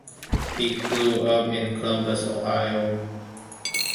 He grew up in Columbus, Ohio.